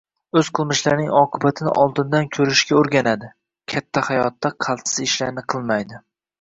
o‘z qilmishlarining oqibatini oldindan ko‘rishga o‘rganadi – katta hayotida qaltis ishlarni qilmaydi;